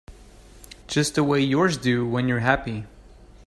Just the way yours do when you're happy.